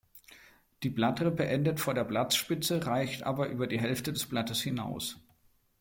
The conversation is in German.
Die Blattrippe endet vor der Blattspitze, reicht aber über die Hälfte des Blattes hinaus.